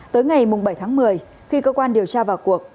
tới ngày bảy tháng một mươi khi cơ quan điều tra vào cuộc